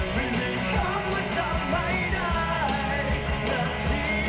ไม่อยากใจจะมีความถูกแบบใกล้หัวหน่า